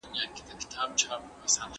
د غریب چیغه په ستوني کي خفه کیږي.